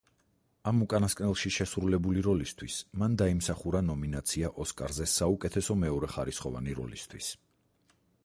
ამ უკანასკნელში შესრულებული როლისთვის მან დაიმსახურა ნომინაცია ოსკარზე საუკეთესო მეორეხარისხოვანი როლისთვის.